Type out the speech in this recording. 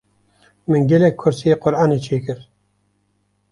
min gelek kursîyê Qur’anê çê kir.